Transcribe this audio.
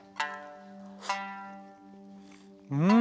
うん！